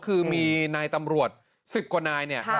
คือมีนายตำรวจ๑๐กว่านายเนี่ย